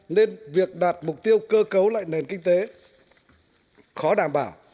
nên việc đạt mục tiêu cơ cấu lại nền kinh tế khó đảm bảo